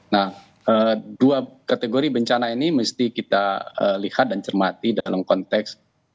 nah dua kategori bencana ini mesti kita lihat dan cermati dalam konteks